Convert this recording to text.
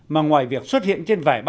mà ngoài việc xuất hiện trên vải